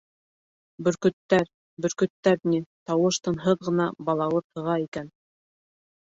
Бөркөттәр, бөркөттәр ни, тауыш-тынһыҙ ғына балауыҙ һыға икән.